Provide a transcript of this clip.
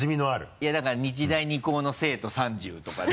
いやだから日大二高の生徒３０とかで。